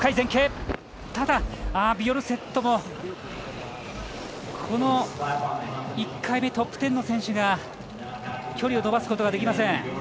ビョルセットもこの１回目トップ１０の選手が距離を伸ばすことができません。